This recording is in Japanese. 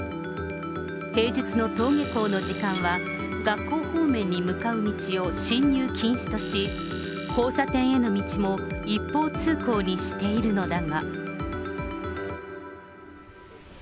平日の登下校の時間は学校方面に向かう道を進入禁止とし、交差点への道も一方通行にしているのだが。